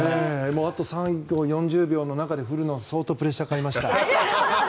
あと最後４０秒の中で降るの相当プレッシャーがかかりました。